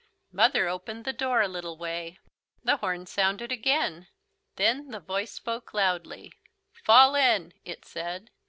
Mother opened the door a little way. The horn sounded again. Then the voice spoke loudly: "Fall in," it said.